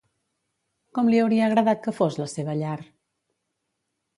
Com li hauria agradat que fos la seva llar?